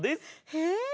へえ！